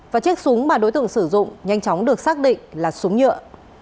và chiếc súng mà đối tượng sử dụng nhanh chóng được xác định là súng nhựa